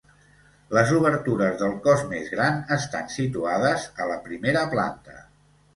Les obertures del cos més gran estan situades a la primera planta.